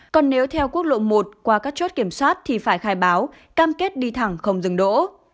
còn nếu theo quốc lộ một qua các chốt kiểm soát thì phải khai báo cam kết đi thẳng không dừng đỗ